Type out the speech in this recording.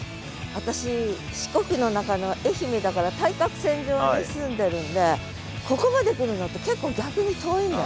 私四国の中の愛媛だから対角線上に住んでるんでここまで来るのって結構逆に遠いんだよね。